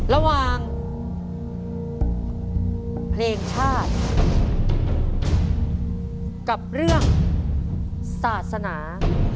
ระหว่างเพลงชาติกับเรื่องศาสนา